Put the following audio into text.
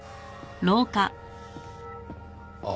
あっ。